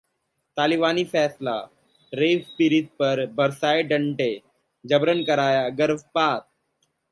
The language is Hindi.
तालिबानी फैसला: रेप पीड़िता पर बरसाए डंडे, जबरन कराया गर्भपात